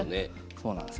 そうなんですよ